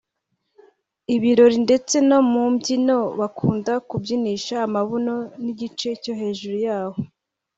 ibirori ndetse no mu mbyino bakunda kubyinisha amabuno n’igice byo hejuru yaho